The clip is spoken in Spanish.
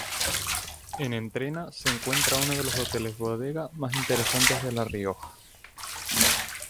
En Entrena se encuentra uno de los hoteles bodega más interesantes de La Rioja.